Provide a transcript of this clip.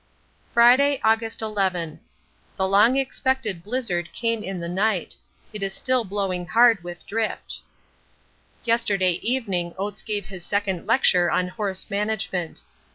Friday, August 11. The long expected blizzard came in the night; it is still blowing hard with drift. Yesterday evening Oates gave his second lecture on 'Horse management.'